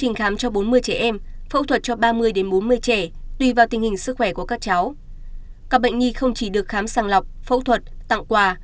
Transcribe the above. các bệnh nhi không chỉ được khám sàng lọc phẫu thuật tặng quà